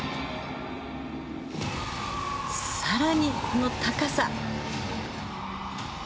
更に、この高さ。